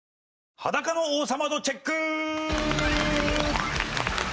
裸の王様度チェック！